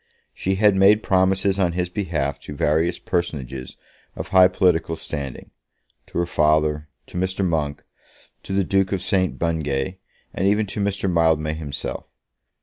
She had made promises on his behalf to various personages of high political standing, to her father, to Mr. Monk, to the Duke of St. Bungay, and even to Mr. Mildmay himself.